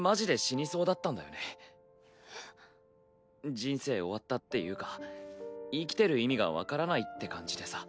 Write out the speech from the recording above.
人生終わったっていうか生きてる意味が分からないって感じでさ。